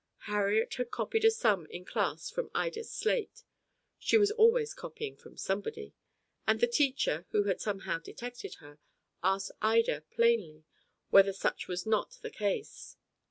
Harriet had copied a sum in class from Ida's slate she was always copying from somebody and the teacher, who had somehow detected her, asked Ida plainly whether such was not the case.